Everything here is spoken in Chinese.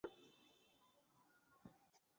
普雷佩查语中的轻重读是不同的音位。